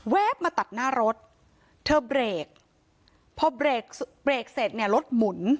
มาตัดหน้ารถเธอเบรกพอเบรกเบรกเสร็จเนี่ยรถหมุน